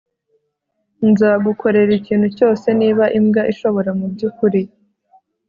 nzagukorera ikintu cyose 'niba imbwa ishobora mubyukuri